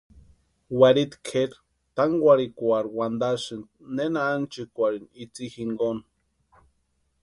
Warhiti kʼeri tánkwarhikwarhu wantasïnti nena ánchikwarhini itsï jinkoni.